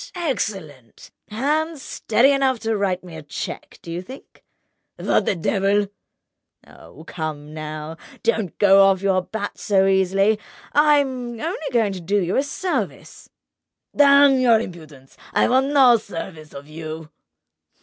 Excellent! Hand steady enough to write me a cheque, do you think?" "What the devil!" "Oh, come now! Don't go off your bat so easily. I'm only going to do you a service—" "Damn your impudence! I want no services of you!"